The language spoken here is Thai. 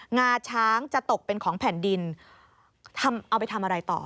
งาช้างจะตกเป็นของแผ่นดินทำเอาไปทำอะไรต่อ